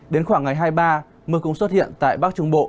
đến khoảng ngày hai mươi ba mưa cũng xuất hiện tại bắc trung bộ